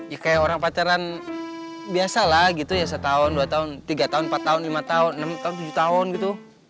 ya kayak orang pacaran biasa lah gitu ya setahun dua tahun tiga tahun empat tahun lima tahun enam tahun tujuh tahun gitu